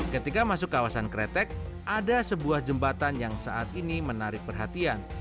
ketika masuk kawasan kretek ada sebuah jembatan yang saat ini menarik perhatian